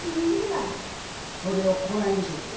それをこないにしよって。